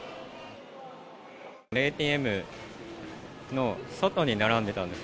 ＡＴＭの外に並んでたんです。